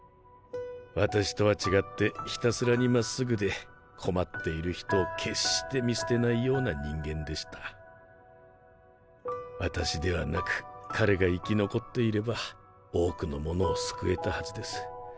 私とは違ってひたすらに真っすぐで困っている人を決して見捨てないような人間でした私ではなく彼が生き残っていれば多くの者を救えたはずです